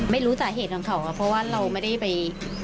ไม่รู้สาเหตุของเขาค่ะเพราะว่าเราไม่ได้ไป